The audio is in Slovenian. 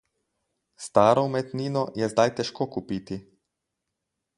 Staro umetnino je zdaj težko kupiti.